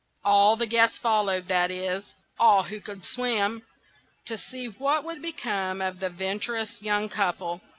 All the guests followed,—that is, all who could swim,—to see what would become of the venturous young couple.